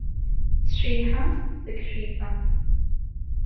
Сшәеиҳам, сагьшәеиҵам.